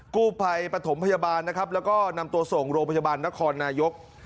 กู้ภัยปฐมพยาบาลนะครับแล้วก็นำตัวส่งโรงพยาบาลนครนายก